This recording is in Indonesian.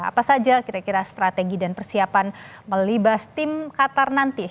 apa saja kira kira strategi dan persiapan melibas tim qatar nanti